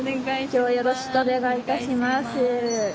今日はよろしくお願いいたします。